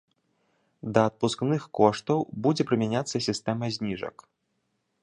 Да адпускных коштаў будзе прымяняцца сістэма зніжак.